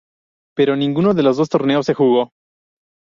Pero ninguno de los dos torneos se jugó.